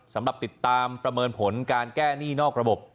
สำหรับติดตามประเมินผลการแก้หนี้นอกระบบ